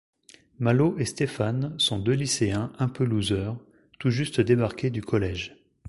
Malo et Stéphane sont deux lycéens un peu loosers, tout juste débarqués du collège.